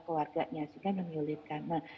keluarganya sudah menyulitkan